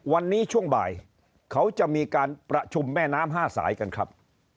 วันนี้ช่วงบ่ายเขาจะมีการประชุมแม่น้ำ๕สายกันครับ